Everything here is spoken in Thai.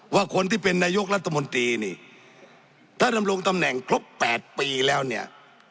ว่าคนที่เป็นนายกรัฐมนตรีนี่ถ้าดำรงตำแหน่งครบ๘ปีแล้วเนี่ย